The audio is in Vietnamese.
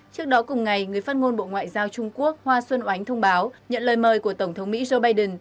trước đó cùng ngày người phát ngôn bộ ngoại giao trung quốc hoa xuân oánh thông báo nhận lời mời của tổng thống mỹ joe biden